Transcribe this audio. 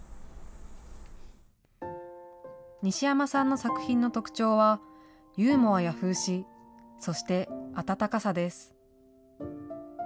西山さんの作品の特徴は、ユーモアや風刺、そして温かさです。